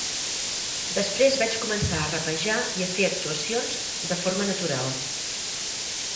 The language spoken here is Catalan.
Després vaig començar a rapejar i a fer actuacions de forma natural.